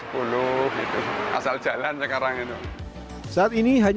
sebagian besar lain sudah berubah mengolah limah spon menjadi produk sandal dan beragam kerajinan